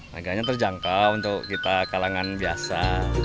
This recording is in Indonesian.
harganya terjangkau untuk kita kalangan biasa